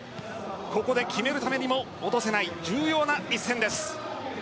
ここで決めるためにも落とせない重要な一戦です。